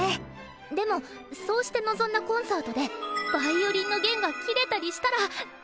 でもそうして臨んだコンサートでヴァイオリンの弦が切れたりしたらどうするんですか？